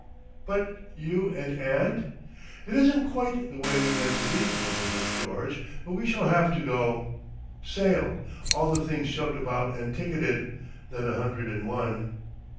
"But you and aunt?" "It isn't quite the way we meant to leave Wimblehurst, George; but we shall have to go. Sale; all the things shoved about and ticketed—lot a hundred and one.